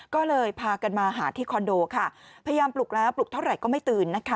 ก็เลยพากันมาหาที่คอนโดค่ะพยายามปลุกแล้วปลุกเท่าไหร่ก็ไม่ตื่นนะคะ